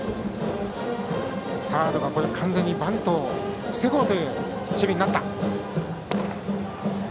サードが完全にバントを防ごうという守備。